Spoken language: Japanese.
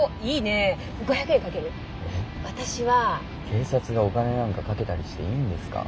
警察がお金なんか賭けたりしていいんですか？